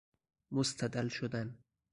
مستدل شدن